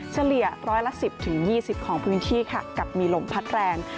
เฉลี่ยร้อยละ๑๐๒๐ของพื้นที่ค่ะกับมีลมพัดแรง